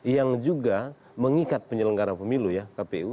yang juga mengikat penyelenggara pemilu ya kpu